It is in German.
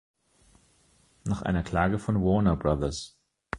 Nach einer Klage von Warner Bros.